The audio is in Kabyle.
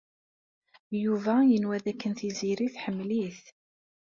Yuba yenwa dakken Tiziri tḥemmel-it.